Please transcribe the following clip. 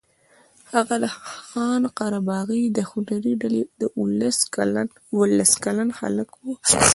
هغه د خان قره باغي د هنري ډلې دولس کلن هلک و.